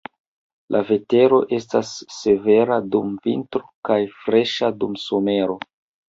La vetero estas severa dum vintro kaj freŝa dum somero.